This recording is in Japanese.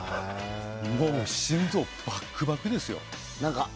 心臓バクバクですよ。